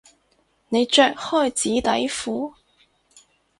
你着開紙底褲？